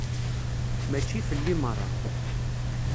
Mačči fell-i merra.